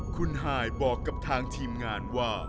คุณฮายบอกกับทางทีมงานว่า